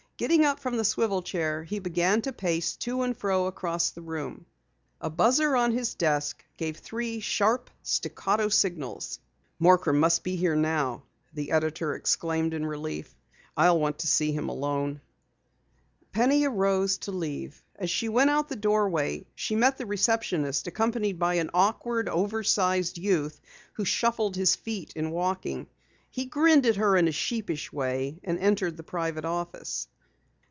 Getting up from the swivel chair he began to pace to and fro across the room. A buzzer on his desk gave three sharp, staccato signals. "Morcrum must be here now!" the editor exclaimed in relief. "I'll want to see him alone." Penny arose to leave. As she went out the doorway she met the receptionist, accompanied by an awkward, oversized youth who shuffled his feet in walking. He grinned at her in a sheepish way and entered the private office.